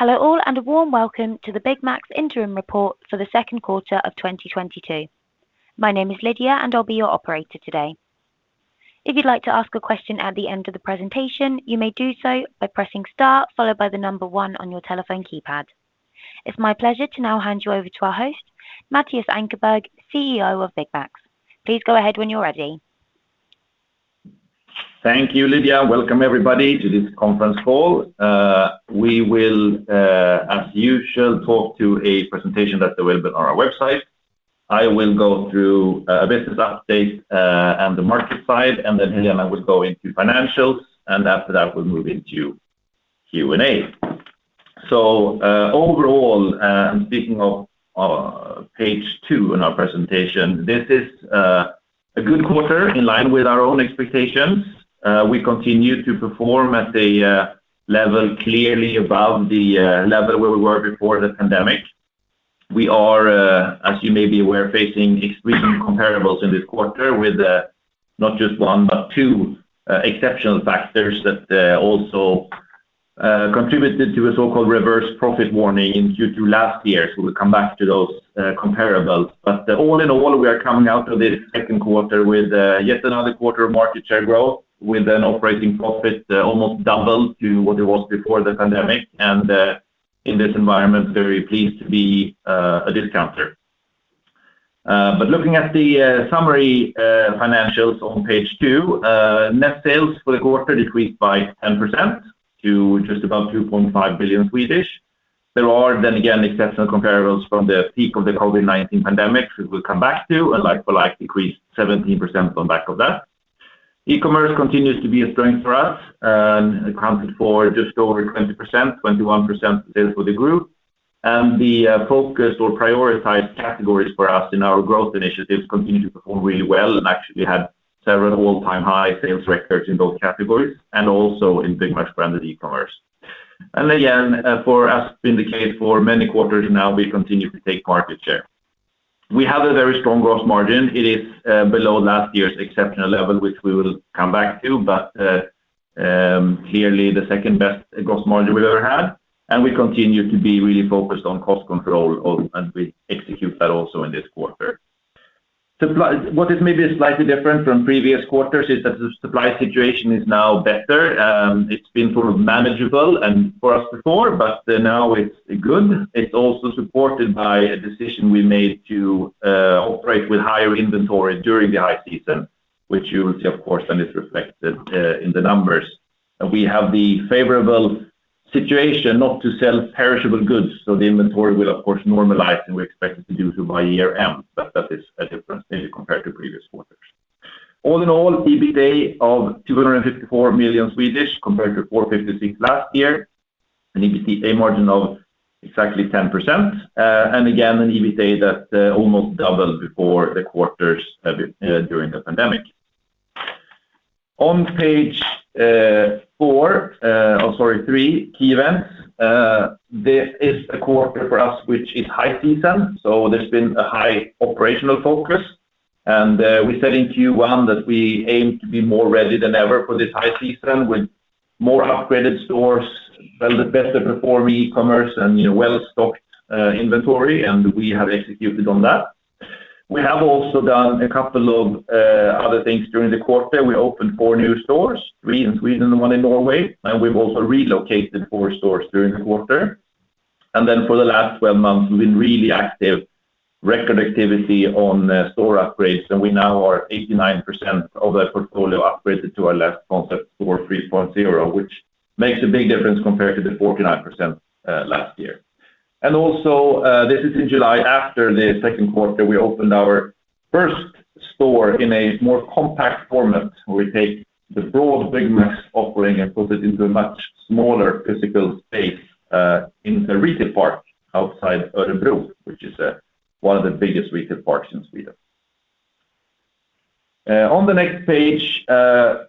Hello all, and a warm welcome to the Byggmax Group's interim report for the second quarter of 2022. My name is Lydia, and I'll be your operator today. If you'd like to ask a question at the end of the presentation, you may do so by pressing star followed by one on your telephone keypad. It's my pleasure to now hand you over to our host, Mattias Ankarberg, CEO of Byggmax Group. Please go ahead when you're ready. Thank you, Lydia. Welcome everybody to this conference call. We will, as usual, walk through a presentation that's available on our website. I will go through a business update, and the market side, and then Helena will go into financials, and after that, we'll move into Q&A. Overall, and speaking of, page two in our presentation, this is a good quarter in line with our own expectations. We continue to perform at a level clearly above the level where we were before the pandemic. We are, as you may be aware, facing tough comparables in this quarter with, not just one but two, exceptional factors that also contributed to a so-called reverse profit warning due to last year. We'll come back to those comparables. All in all, we are coming out of this second quarter with yet another quarter of market share growth with an operating profit almost double to what it was before the pandemic and in this environment, very pleased to be a discounter. Looking at the summary financials on page two, net sales for the quarter decreased by 10% to just above 2.5 billion. There are then again exceptional comparables from the peak of the COVID-19 pandemic, which we'll come back to, and like-for-like decreased 17% on the back of that. E-commerce continues to be a strength for us and accounted for just over 20%, 21% sales for the group. The focus or prioritized categories for us in our growth initiatives continue to perform really well and actually had several all-time high sales records in those categories and also in Byggmax's branded e-commerce. Again, as indicated for many quarters now, we continue to take market share. We have a very strong gross margin. It is below last year's exceptional level, which we will come back to, but clearly the second-best gross margin we've ever had. We continue to be really focused on cost control, and we execute that also in this quarter. What is maybe slightly different from previous quarters is that the supply situation is now better. It's been sort of manageable for us before, but now it's good. It's also supported by a decision we made to operate with higher inventory during the high season, which you will see, of course, and it's reflected in the numbers. We have the favorable situation not to sell perishable goods, so the inventory will of course normalize, and we expect it to do so by year end. That is a difference maybe compared to previous quarters. All in all, EBITA of 254 million compared to 456 million last year, an EBITA margin of exactly 10%. Again, an EBITA that almost doubled before the quarters during the pandemic. On page four or sorry, three, key events. This is a quarter for us, which is high season. There's been a high operational focus. We said in Q1 that we aim to be more ready than ever for this high season with more upgraded stores, well invested before e-commerce and well-stocked inventory, and we have executed on that. We have also done a couple of other things during the quarter. We opened four new stores, three in Sweden and one in Norway, and we've also relocated four stores during the quarter. For the last 12 months, we've been really active, record activity on store upgrades, and we now are 89% of the portfolio upgraded to our last concept, Store 3.0, which makes a big difference compared to the 49% last year. This is in July, after the second quarter, we opened our first store in a more compact format, where we take the broad Byggmax's offering and put it into a much smaller physical space, in the retail park outside Örebro, which is one of the biggest retail parks in Sweden. On the next page,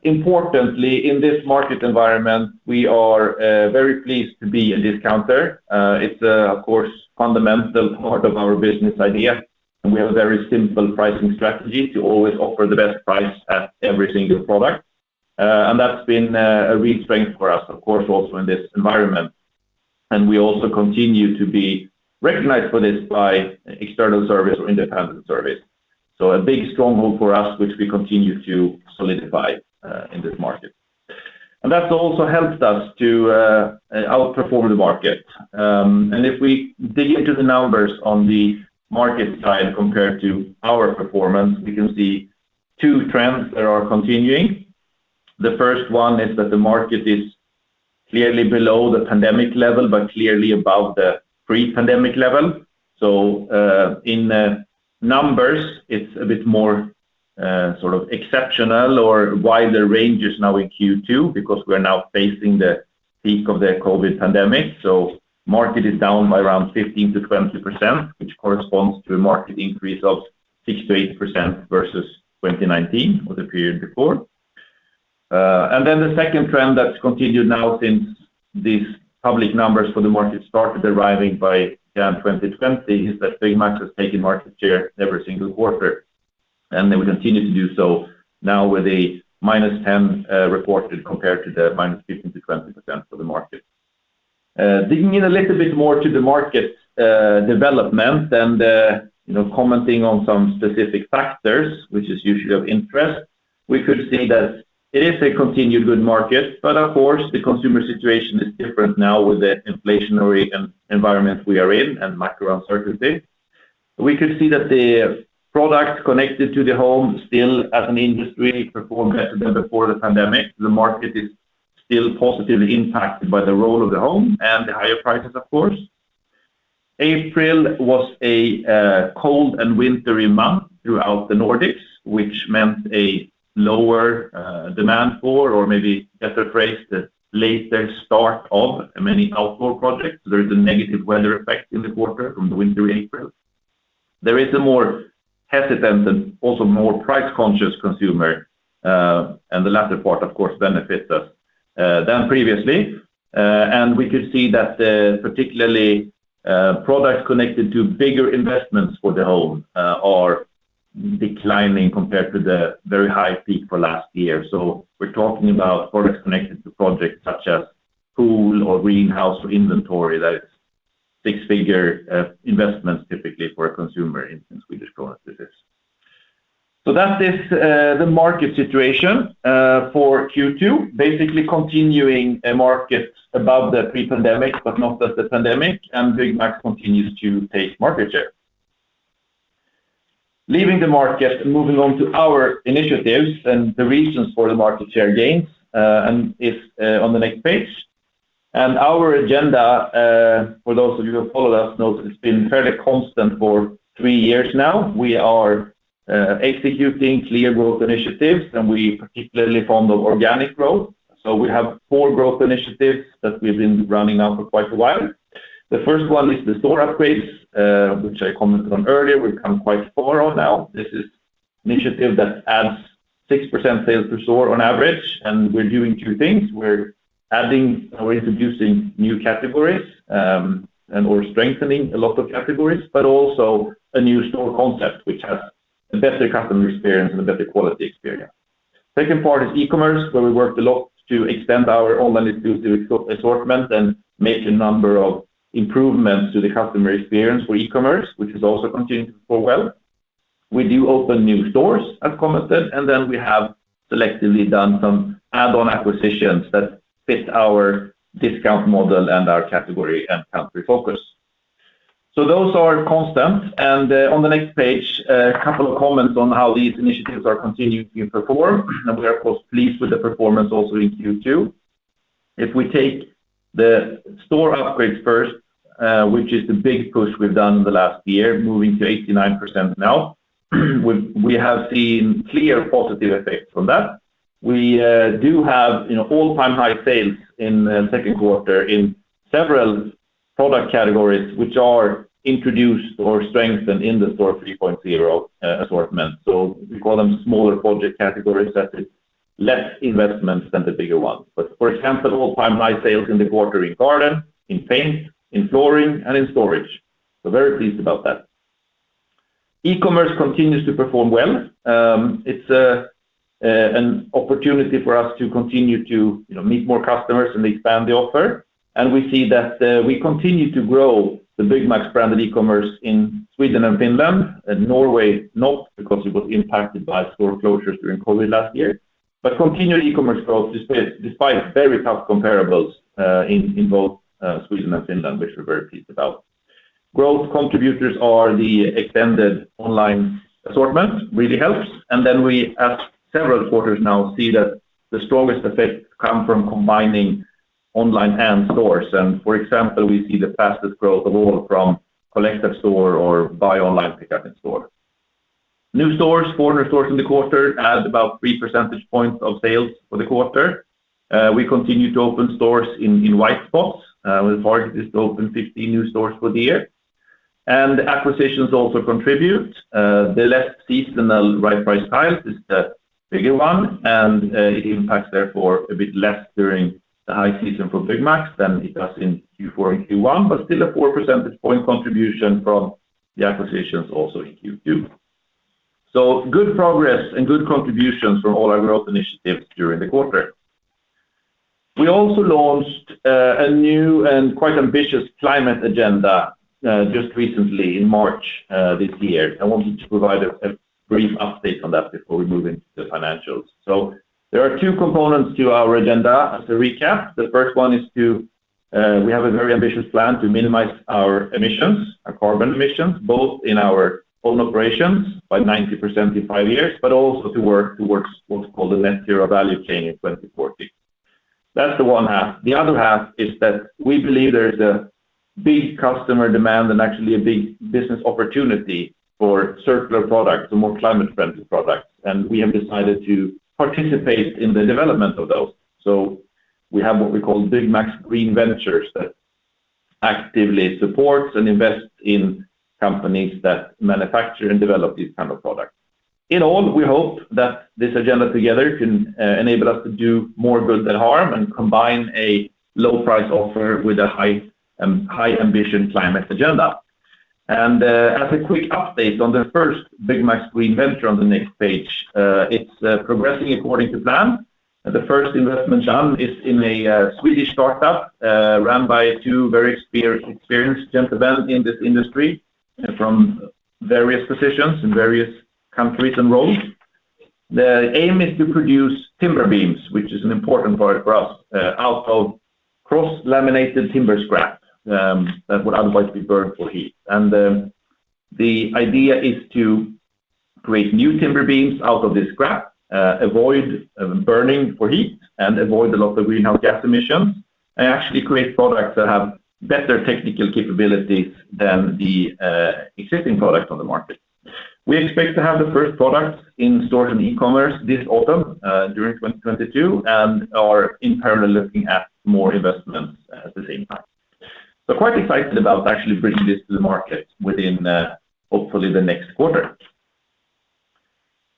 importantly, in this market environment, we are very pleased to be a discounter. It's of course, fundamental part of our business idea, and we have a very simple pricing strategy to always offer the best price at every single product. And that's been a real strength for us, of course, also in this environment. We also continue to be recognized for this by external surveys or independent surveys. A big stronghold for us, which we continue to solidify in this market. That's also helped us to outperform the market. If we dig into the numbers on the market side compared to our performance, we can see two trends that are continuing. The first one is that the market is clearly below the pandemic level, but clearly above the pre-pandemic level. In numbers, it's a bit more sort of exceptional or wider ranges now in Q2 because we are now facing the peak of the COVID-19 pandemic. Market is down by around 15%-20%, which corresponds to a market increase of 6%-8% versus 2019 or the period before. The second trend that's continued now since these public numbers for the market started arriving by June 2020 is that Byggmax has taken market share every single quarter. They will continue to do so now with a -10% reported compared to the -15% to 20% for the market. Digging in a little bit more to the market development then the, you know, commenting on some specific factors, which is usually of interest. We could say that it is a continued good market, but of course, the consumer situation is different now with the inflationary environment we are in and macro uncertainty. We could see that the product connected to the home still as an industry performed better than before the pandemic. The market is still positively impacted by the role of the home and the higher prices, of course. April was a cold and wintry month throughout the Nordics, which meant the later start of many outdoor projects. There is a negative weather effect in the quarter from the winter in April. There is a more hesitant and also more price conscious consumer, and the latter part of course benefits us more than previously. We could see that particularly products connected to bigger investments for the home are declining compared to the very high peak for last year. We're talking about products connected to projects such as pool or greenhouse or inventory. That is six-figure investments typically for a consumer in Swedish currencies. That is the market situation for Q2, basically continuing a market above the pre-pandemic but not that the pandemic and Byggmax continues to take market share. Leaving the market and moving on to our initiatives and the reasons for the market share gains, and is on the next page. Our agenda for those of you who follow us know that it's been fairly constant for three years now. We are executing clear growth initiatives, and we particularly form the organic growth. We have four growth initiatives that we've been running now for quite a while. The first one is the store upgrades, which I commented on earlier. We've come quite far on now. This is initiative that adds 6% sales per store on average, and we're doing two things. We're adding or introducing new categories and strengthening a lot of categories, but also a new store concept which has a better customer experience and a better quality experience. Second part is e-commerce, where we worked a lot to extend our online exclusive assortment and make a number of improvements to the customer experience for e-commerce, which is also continuing to perform well. We do open new stores, as commented, and then we have selectively done some add-on acquisitions that fit our discount model and our category and country focus. Those are constant. On the next page, a couple of comments on how these initiatives are continuing to perform. We are of course pleased with the performance also in Q2. If we take the store upgrades first, which is the big push we've done in the last year, moving to 89% now, we have seen clear positive effects from that. We do have, you know, all-time high sales in the second quarter in several product categories which are introduced or strengthened in the Store 3.0 assortment. We call them smaller project categories. That is less investments than the bigger ones. For example, all-time high sales in the quarter in garden, in paint, in flooring, and in storage. Very pleased about that. E-commerce continues to perform well. It's an opportunity for us to continue to, you know, meet more customers and expand the offer. We see that we continue to grow the Byggmax's brand of e-commerce in Sweden and Finland and Norway not because it was impacted by store closures during COVID last year, but continued e-commerce growth despite very tough comparables in both Sweden and Finland, which we're very pleased about. Growth contributors are the extended online assortment really helps. We at several quarters now see that the strongest effects come from combining online and stores. For example, we see the fastest growth of all from click and collect or buy online pickup in store. New stores, four new stores in the quarter, adds about 3 percentage points of sales for the quarter. We continue to open stores in white spots. We targeted to open 15 new stores for the year. Acquisitions also contribute, the less seasonal Right Price Tiles is the bigger one, and it impacts therefore a bit less during the high season for Byggmax than it does in Q4 and Q1, but still a 4 percentage point contribution from the acquisitions also in Q2. Good progress and good contributions from all our growth initiatives during the quarter. We also launched a new and quite ambitious climate agenda just recently in March this year. I wanted to provide a brief update on that before we move into the financials. There are two components to our agenda. As a recap, the first one is to we have a very ambitious plan to minimize our emissions, our carbon emissions, both in our own operations by 90% in five years, but also to work towards what we call the net-zero value chain in 2040. That's the one half. The other half is that we believe there is a big customer demand and actually a big business opportunity for circular products or more climate-friendly products. We have decided to participate in the development of those. We have what we call Byggmax Green Ventures that actively supports and invest in companies that manufacture and develop these kind of products. In all, we hope that this agenda together can enable us to do more good than harm and combine a low price offer with a high ambition climate agenda. As a quick update on the first Byggmax Green Ventures on the next page, it's progressing according to plan and the first investment done is in a Swedish startup run by two very experienced gentlemen in this industry from various positions in various countries and roles. The aim is to produce timber beams, which is an important part for us, out of cross-laminated timber scraps that would otherwise be burned for heat. The idea is to create new timber beams out of this scrap, avoid burning for heat and avoid a lot of greenhouse gas emissions, and actually create products that have better technical capabilities than the existing products on the market. We expect to have the first products in store and e-commerce this autumn during 2022, and are in parallel looking at more investments at the same time. Quite excited about actually bringing this to the market within hopefully the next quarter.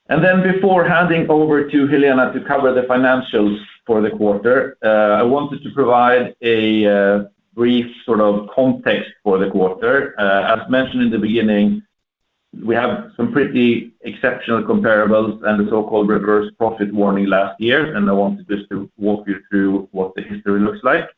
Before handing over to Helena to cover the financials for the quarter, I wanted to provide a brief sort of context for the quarter. As mentioned in the beginning, we have some pretty exceptional comparables and the so-called reverse profit warning last year, and I wanted just to walk you through what the history looks like.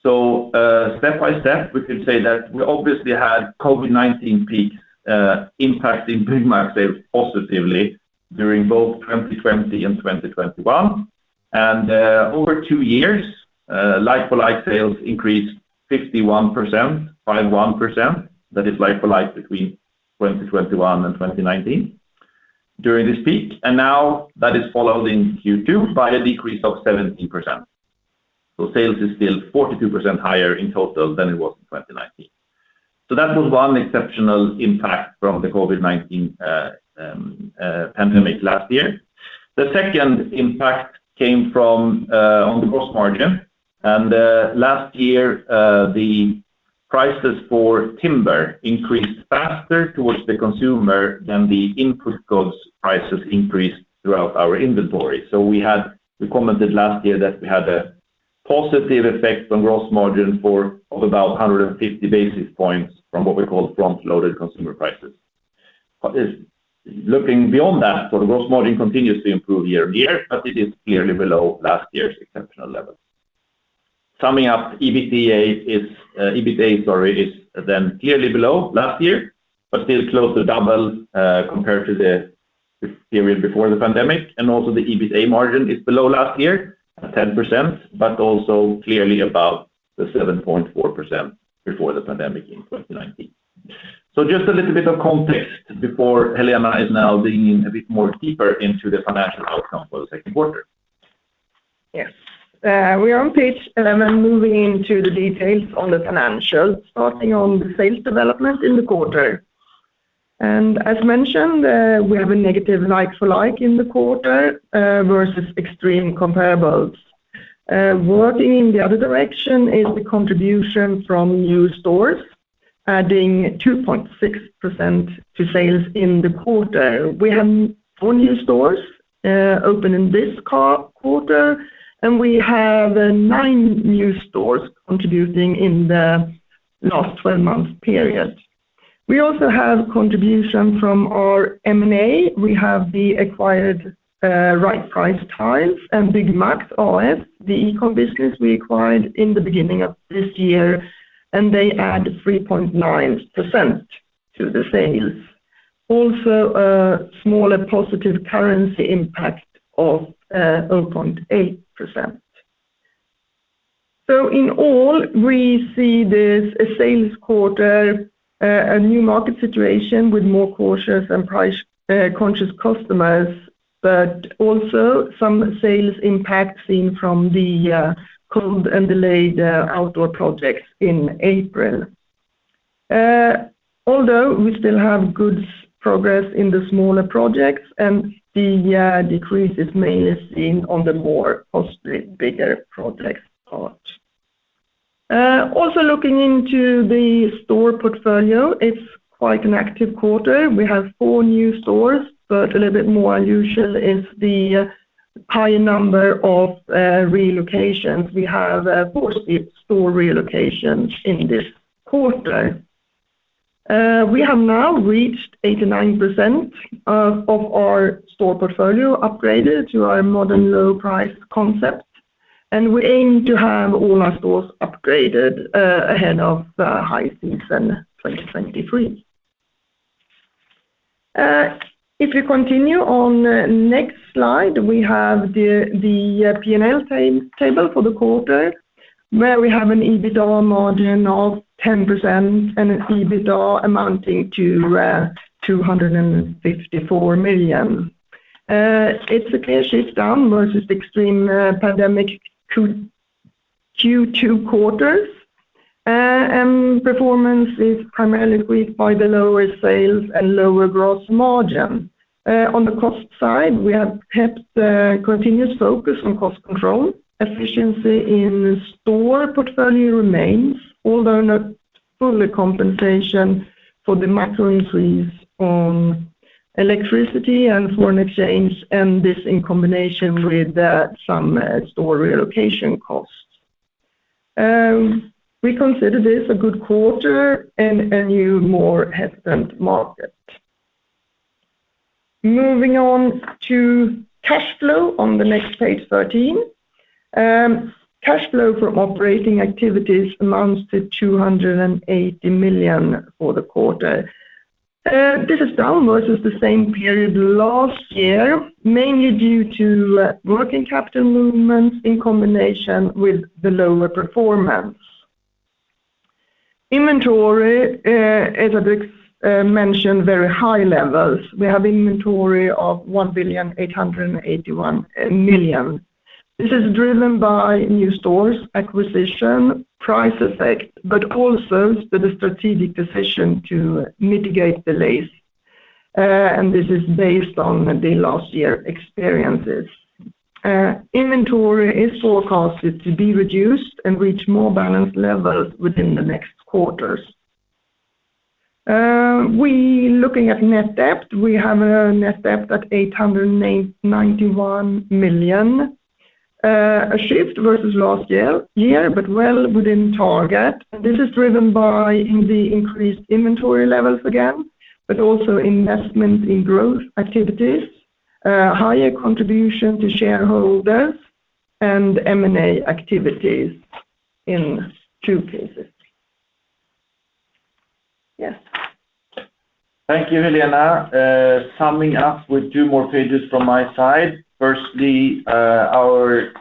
Step by step, we could say that we obviously had COVID-19 peak impacting Byggmax sales positively during both 2020 and 2021. Over two years, like-for-like sales increased 51%. That is like-for-like between 2021 and 2019 during this peak. Now that is followed in Q2 by a decrease of 17%. Sales is still 42% higher in total than it was in 2019. That was one exceptional impact from the COVID-19 pandemic last year. The second impact came from on the gross margin, and last year the prices for timber increased faster towards the consumer than the input goods prices increased throughout our inventory. We had commented last year that we had a positive effect on gross margin of about 150 basis points from what we call front-loaded consumer prices. Looking beyond that, the gross margin continues to improve year-on-year, but it is clearly below last year's exceptional level. Summing up, EBITA is then clearly below last year, but still close to double compared to the period before the pandemic. The EBITA margin is below last year at 10%, but also clearly above the 7.4% before the pandemic in 2019. Just a little bit of context before Helena is now leaning a bit more deeper into the financial outcome for the second quarter. Yes. We are on page 11 moving into the details on the financials, starting on the sales development in the quarter. As mentioned, we have a negative like-for-like in the quarter versus extreme comparables. Working in the other direction is the contribution from new stores adding 2.6% to sales in the quarter. We have four new stores open in this quarter, and we have nine new stores contributing in the last 12-month period. We also have contribution from our M&A. We have the acquired Right Price Tiles and BygMax A/S, the e-com business we acquired in the beginning of this year, and they add 3.9% to the sales. Also a smaller positive currency impact of 0.8%. In all, we see this sales quarter, a new market situation with more cautious and price conscious customers, but also some sales impact seen from the cold and delayed outdoor projects in April. Although we still have good progress in the smaller projects and the decrease is mainly seen on the more costly, bigger projects part. Also looking into the store portfolio, it's quite an active quarter. We have four new stores, but a little bit more unusual is the high number of relocations. We have four store relocations in this quarter. We have now reached 89% of our store portfolio upgraded to our modern low price concept, and we aim to have all our stores upgraded ahead of high season 2023. If you continue on next slide, we have the P&L table for the quarter, where we have an EBITA margin of 10% and an EBITA amounting to 254 million. It's a clear shift down versus extreme pandemic Q2 quarters. Performance is primarily weakened by the lower sales and lower gross margin. On the cost side, we have kept a continuous focus on cost control. Efficiency in store portfolio remains, although not full compensation for the macro increase on electricity and foreign exchange, and this in combination with some store relocation costs. We consider this a good quarter in a new, more hesitant market. Moving on to cash flow on the next page 13. Cash flow from operating activities amounts to 280 million for the quarter. This is down versus the same period last year, mainly due to working capital movements in combination with the lower performance. Inventory, as Ankarberg mentioned, very high levels. We have inventory of 1,881,000. This is driven by new stores acquisition price effect, but also the strategic decision to mitigate delays. This is based on the last year experiences. Inventory is forecasted to be reduced and reach more balanced levels within the next quarters. We looking at net debt, we have a net debt at 891 million, a shift versus last year, but well within target. This is driven by the increased inventory levels again, but also investment in growth activities, higher contribution to shareholders and M&A activities in two cases. Yes. Thank you, Helena. Summing up with two more pages from my side. Firstly, our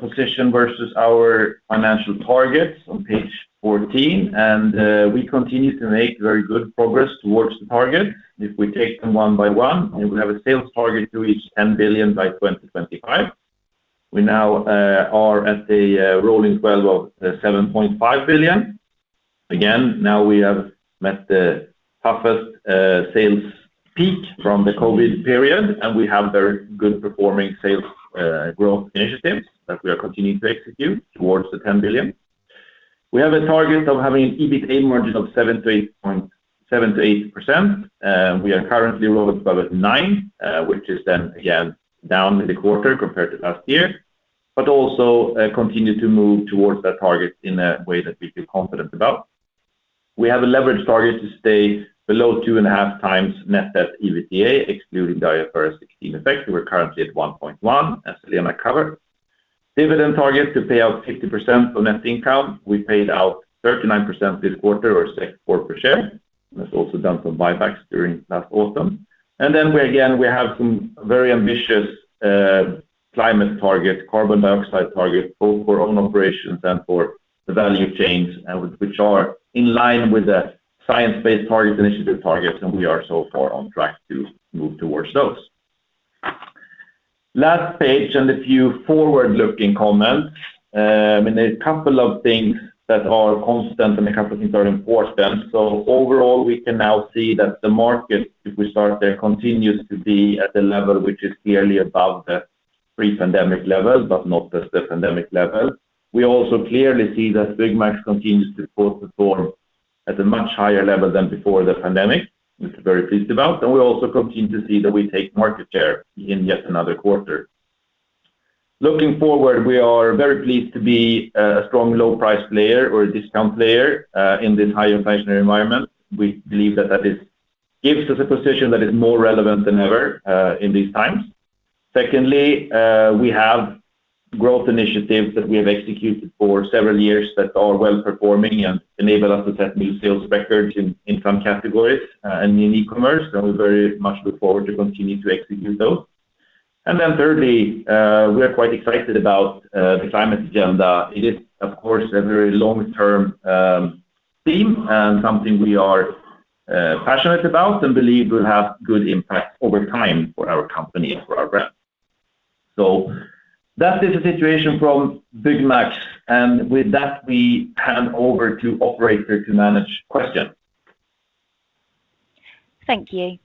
position versus our financial targets on page 14, and we continue to make very good progress towards the target. If we take them one by one, we have a sales target to reach 10 billion by 2025. We now are at a rolling 12 of 7.5 billion. Again, now we have met the toughest sales peak from the COVID period, and we have very good performing sales growth initiatives that we are continuing to execute towards the 10 billion. We have a target of having an EBITA margin of 7%-8%. We are currently rolling above at 9%, which is then again down in the quarter compared to last year, but also continue to move towards that target in a way that we feel confident about. We have a leverage target to stay below 2.5x net debt EBITA, excluding IFRS 16 effect. We're currently at 1.1, as Helena covered. Dividend target to pay out 60% of net income. We paid out 39% this quarter or 6.4 per share, and has also done some buybacks during last autumn. We have some very ambitious climate target, carbon dioxide target, both for own operations and for the value chains and which are in line with the Science Based Targets initiative targets, and we are so far on track to move towards those. Last page and a few forward-looking comments. A couple of things that are constant and a couple of things are important. Overall, we can now see that the market, if we start there, continues to be at a level which is clearly above the pre-pandemic levels, but not just the pandemic levels. We also clearly see that Byggmax continues to perform at a much higher level than before the pandemic, which we're very pleased about. We also continue to see that we take market share in yet another quarter. Looking forward, we are very pleased to be a strong low price player or a discount player in this high inflationary environment. We believe that gives us a position that is more relevant than ever in these times. Secondly, we have growth initiatives that we have executed for several years that are well performing and enable us to set new sales records in some categories and in e-commerce, and we very much look forward to continue to execute those. Then thirdly, we are quite excited about the climate agenda. It is of course a very long-term theme and something we are passionate about and believe will have good impact over time for our company and for our brand. That is the situation from Byggmax. With that, we hand over to operator to manage questions. Thank you.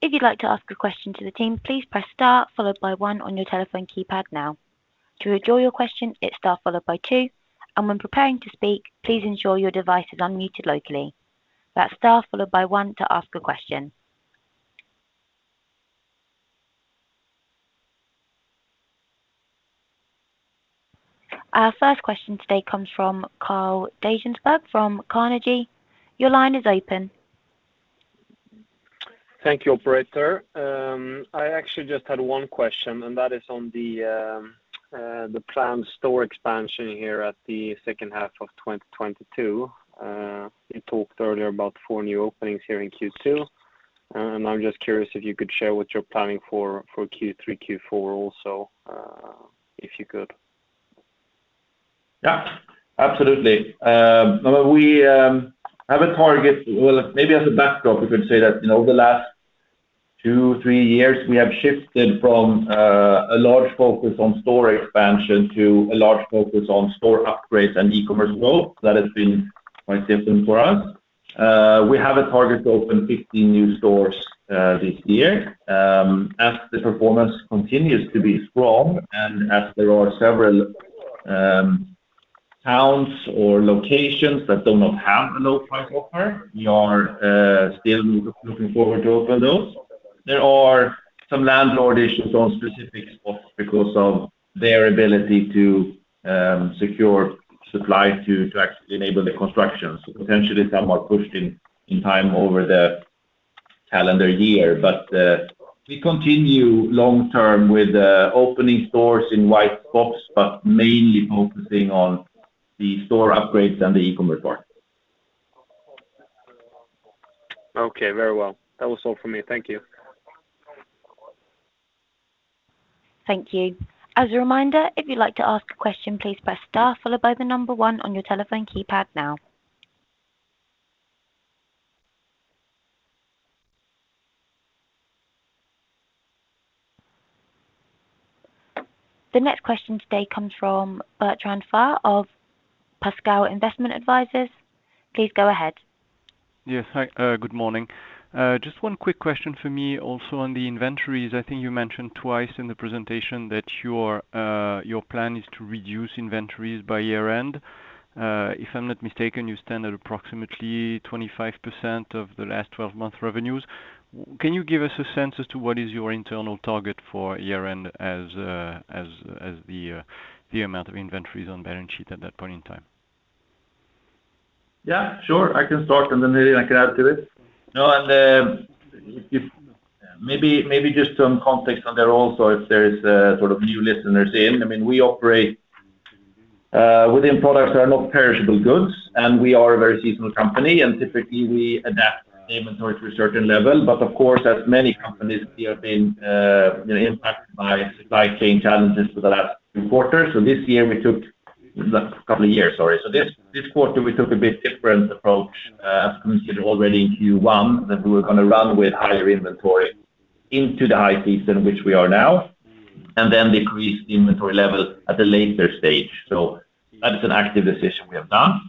If you'd like to ask a question to the team, please press star followed by one on your telephone keypad now. To withdraw your question, it's star followed by two, and when preparing to speak, please ensure your device is unmuted locally. That's star followed by one to ask a question. Our first question today comes from Carl Deijenberg from Carnegie. Your line is open. Thank you, operator. I actually just had one question, and that is on the planned store expansion here in the second half of 2022. You talked earlier about four new openings here in Q2, and I'm just curious if you could share what you're planning for Q3, Q4 also, if you could. Yeah, absolutely. We have a target. Well, maybe as a backdrop, we could say that in over the last two, three years, we have shifted from a large focus on store expansion to a large focus on store upgrades and e-commerce growth. That has been quite simple for us. We have a target to open 15 new stores this year. As the performance continues to be strong and as there are several towns or locations that do not have a low price offer, we are still looking forward to open those. There are some landlord issues on specific spots because of their ability to secure supply to actually enable the construction. Potentially some are pushed in time over the calendar year. We continue long-term with opening stores in white spots, but mainly focusing on the store upgrades and the e-commerce part. Okay, very well. That was all for me. Thank you. Thank you. As a reminder, if you'd like to ask a question, please press star followed by the number one on your telephone keypad now. The next question today comes from Bertrand Faure of Pascal Investment Advisers. Please go ahead. Yes. Hi, good morning. Just one quick question for me also on the inventories. I think you mentioned twice in the presentation that your plan is to reduce inventories by year-end. If I'm not mistaken, you stand at approximately 25% of the last 12 months revenues. Can you give us a sense as to what is your internal target for year-end as the amount of inventories on balance sheet at that point in time? Yeah, sure. I can start, and then Helena can add to it. Maybe just some context on there also if there is sort of new listeners in. I mean, we operate within products that are not perishable goods, and we are a very seasonal company, and typically we adapt inventory to a certain level. Of course, as many companies, we have been, you know, impacted by supply chain challenges for the last two quarters. The couple of years, sorry. This quarter we took a bit different approach, as communicated already in Q1, that we were gonna run with higher inventory into the high season, which we are now, and then decrease the inventory level at a later stage. That is an active decision we have done.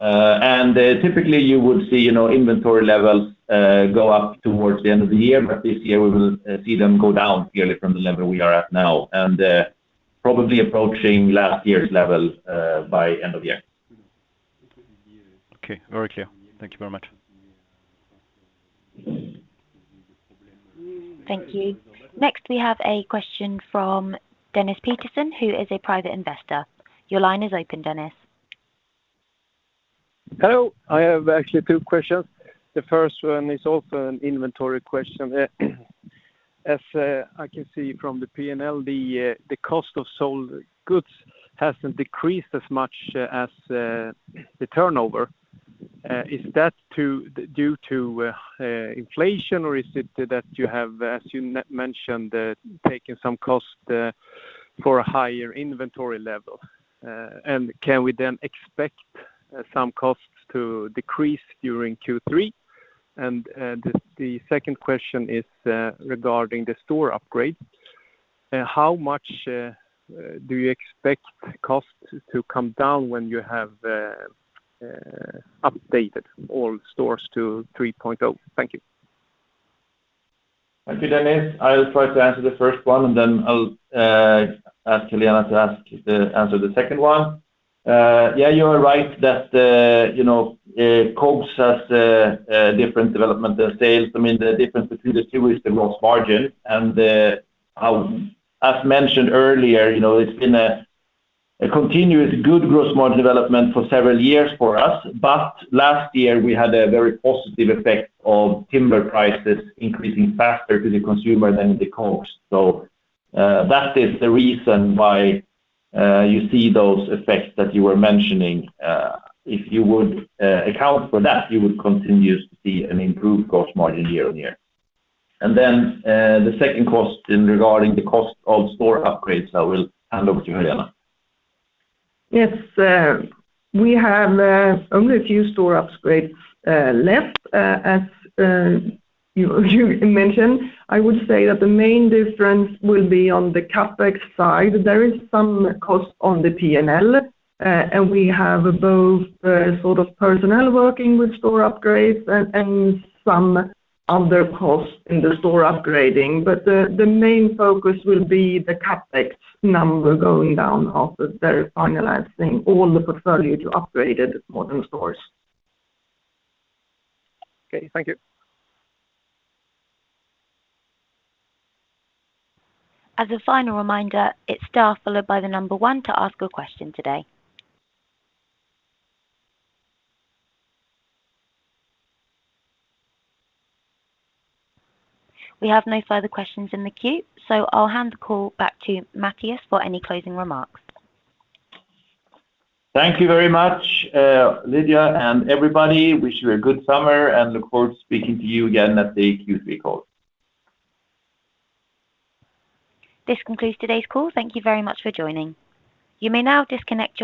Typically you would see, you know, inventory levels go up towards the end of the year, but this year we will see them go down yearly from the level we are at now, and probably approaching last year's level by end of year. Okay. Very clear. Thank you very much. Thank you. Next, we have a question from Dennis Petersson, who is a private investor. Your line is open, Dennis. Hello. I have actually two questions. The first one is also an inventory question. As I can see from the P&L, the cost of goods sold hasn't decreased as much as the turnover. Is that due to inflation or is it that you have, as you mentioned, taken some cost for a higher inventory level? Can we then expect some costs to decrease during Q3? The second question is regarding the store upgrade. How much do you expect costs to come down when you have updated all stores to 3.0? Thank you. Thank you, Dennis. I'll try to answer the first one and then I'll ask Helena to answer the second one. Yeah, you are right that you know COGS has a different development than sales. I mean, the difference between the two is the gross margin. As mentioned earlier, you know, it's been a continuous good gross margin development for several years for us. Last year we had a very positive effect of timber prices increasing faster to the consumer than the cost. That is the reason why you see those effects that you were mentioning. If you would account for that, you would continue to see an improved gross margin year-over-year. The second question regarding the cost of store upgrades, I will hand over to Helena. Yes. We have only a few store upgrades left, as you mentioned. I would say that the main difference will be on the CapEx side. There is some cost on the P&L, and we have both sort of personnel working with store upgrades and some other costs in the store upgrading. The main focus will be the CapEx number going down after they're finalizing all the portfolio to upgraded modern stores. Okay. Thank you. As a final reminder, it's star followed by the number one to ask a question today. We have no further questions in the queue, so I'll hand the call back to Mattias for any closing remarks. Thank you very much, Lydia, and everybody. Wish you a good summer and look forward to speaking to you again at the Q3 call. This concludes today's call. Thank you very much for joining. You may now disconnect your-